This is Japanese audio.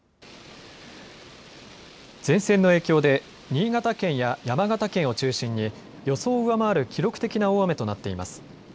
前線の影響で新潟県や山形県を中心に予想を上回る記録的な大雨となっています。